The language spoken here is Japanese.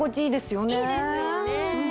いいですよね。